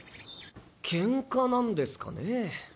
ケンカなんですかね。